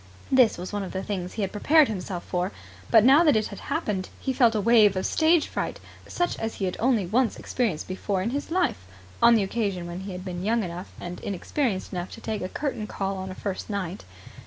This was one of the things he had prepared himself for, but, now that it had happened, he felt a wave of stage fright such as he had only once experienced before in his life on the occasion when he had been young enough and inexperienced enough to take a curtain call on a first night.